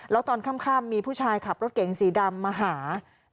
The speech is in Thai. แล้วตอนค่ำมีผู้ชายขับรถเก๋งสีดำมาหา